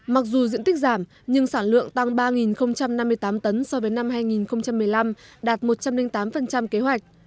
mặc dù diện tích giảm nhưng sản lượng tăng ba năm mươi tám tấn so với năm hai nghìn một mươi năm đạt một trăm linh tám kế hoạch